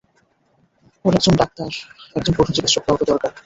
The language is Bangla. ওর একজন ডাক্তার, একজন পশুচিকিত্সক, কাউকে দরকার!